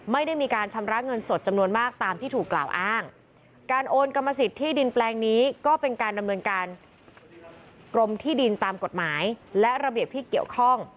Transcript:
ไม่ได้มีการชำระเงินสดจำนวนมากตามที่ถูกกล่าวอ้างการโอนกรรมสิทธิ์ที่ดินแปลงนี้ก็เป็นการดำเนินการกรมที่ดินตามกฎหมายและระเบียบที่เกี่ยวข้อง